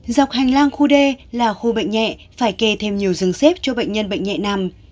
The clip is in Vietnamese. dọc hành lang khu đê là khu bệnh nhẹ phải kề thêm nhiều rừng xếp cho bệnh nhân bệnh nhẹ nằm